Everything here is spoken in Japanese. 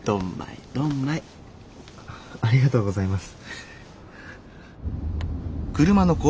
ありがとうございます。